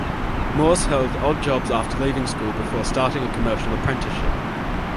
Moers held odd jobs after leaving school before starting a commercial apprenticeship.